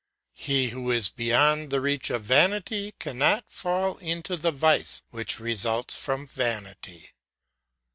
He who is beyond the reach of vanity cannot fall into the vice which results from vanity.